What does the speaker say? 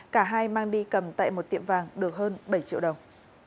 cả hai mang đi cầm tại một tiệm vàng được hơn bảy triệu đồng